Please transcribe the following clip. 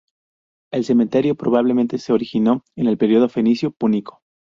El cementerio probablemente se originó en el período fenicio-púnico.